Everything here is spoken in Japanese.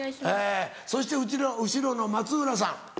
そして後ろの松浦さん